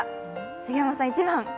杉山さん一番！